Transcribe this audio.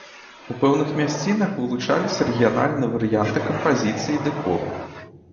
У пэўных мясцінах вылучыліся рэгіянальныя варыянты кампазіцыі і дэкору.